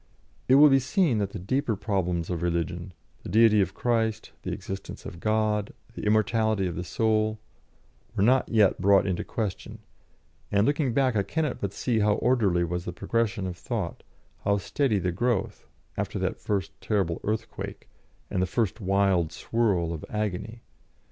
It will be seen that the deeper problems of religion the deity of Christ, the existence of God, the immortality of the soul were not yet brought into question, and, looking back, I cannot but see how orderly was the progression of thought, how steady the growth, after that first terrible earthquake, and the first wild swirl of agony.